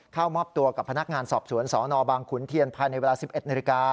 เข้ามอบตัวกับพนักงานสอบสวนสนบางขุนเทียนภายในเวลา๑๑นาฬิกา